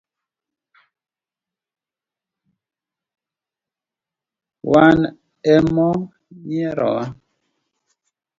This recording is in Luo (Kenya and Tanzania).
Wan e mo nyierowa.